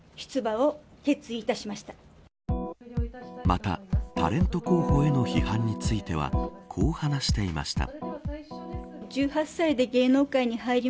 またタレント候補への批判についてはこう話していました。